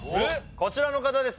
こちらの方です